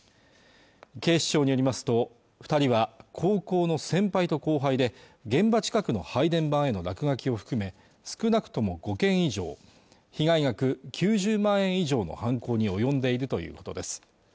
警視庁によりますと二人は高校の先輩と後輩で現場近くの配電盤への落書きを含め少なくとも５件以上被害額９０万円以上の犯行に及んでいるということです